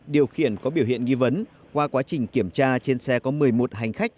điều khiển có biểu hiện nghi vấn qua quá trình kiểm tra trên xe có một mươi một hành khách